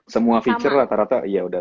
semua feature rata rata ya udah